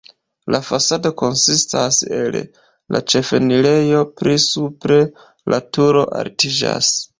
La fasado konsistas el la ĉefenirejo, pli supre la turo altiĝas.